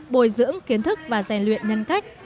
bồi dưỡng kiến thức và giải luyện nhân cách